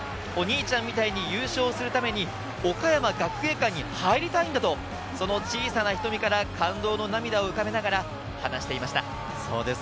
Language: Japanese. お兄ちゃんみたいに優勝するために、岡山学芸館に入りたいんだと、その小さな瞳から感動の涙を浮かべながら話していました。